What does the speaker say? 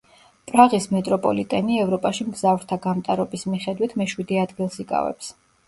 პრაღის მეტროპოლიტენი ევროპაში მგზავრთა გამტარობის მიხედვით მეშვიდე ადგილს იკავებს.